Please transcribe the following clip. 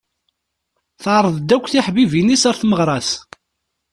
Teɛreḍ-d akk tiḥbibin-is ɣer tmeɣra-s.